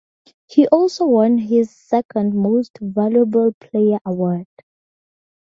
He also won his second Most Valuable Player award.